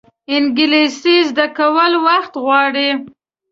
انګلیسي زده کول وخت غواړي